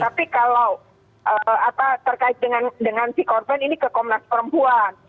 tapi kalau terkait dengan si korban ini kekomnas perempuan